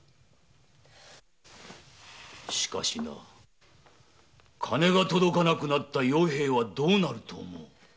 しかしな金が届かなくなった与平はどうなると思う！